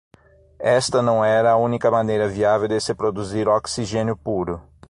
Esta não era a única maneira viável de se produzir oxigênio puro.